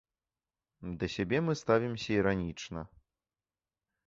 Да сябе мы ставімся іранічна.